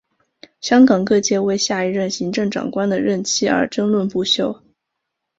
香港各界为下一任行政长官的任期而争论不休。